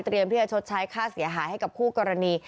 ที่จะชดใช้ค่าเสียหายให้กับคู่กรณี